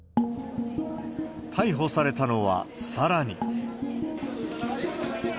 逮捕されたのは、さらに。